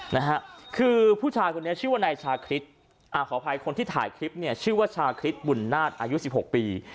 นะฮะคือผู้ชายคนนี้ชื่อว่านายชาคริสอ่าขออภัยคนที่ถ่ายคลิปเนี่ยชื่อว่าชาคริสบุญนาฏอายุสิบหกปี